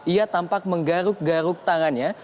ia tampak menggaruk garuk tangannya